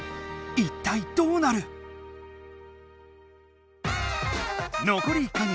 いったいどうなる⁉のこり１か月。